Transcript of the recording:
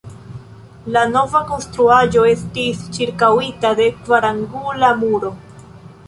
La nova konstruaĵo estis ĉirkaŭita de kvarangula muro.